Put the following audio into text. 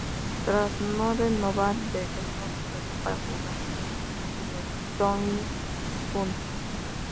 Tras no renovar, regresó a Australia para jugar en los Townsville Suns.